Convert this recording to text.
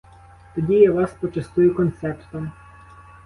Тоді я вас почастую концертом.